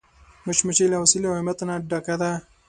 مچمچۍ له حوصلې او همت نه ډکه ده